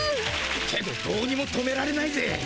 けどどうにも止められないぜ。